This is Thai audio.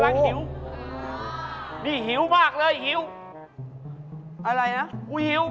นี่คนกำลังหิว